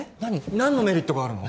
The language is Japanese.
何のメリットがあるの？